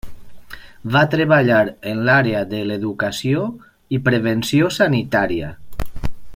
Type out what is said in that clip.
Va treballar en l'àrea de l'educació i prevenció sanitària.